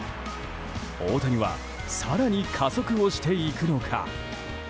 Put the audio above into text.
大谷は更に加速をしていくのか。